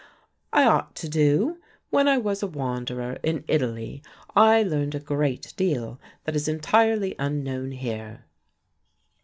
"I ought to do; when I was a wanderer in Italy I learned a great deal that is entirely unknown here."